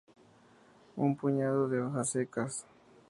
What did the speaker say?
Un puñado de hojas secas.